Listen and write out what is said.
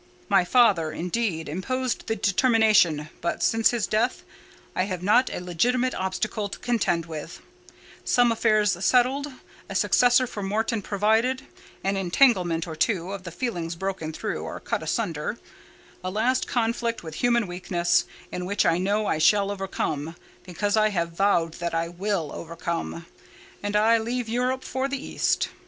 My father, indeed, imposed the determination, but since his death, I have not a legitimate obstacle to contend with; some affairs settled, a successor for Morton provided, an entanglement or two of the feelings broken through or cut asunder—a last conflict with human weakness, in which I know I shall overcome, because I have vowed that I will overcome—and I leave Europe for the East."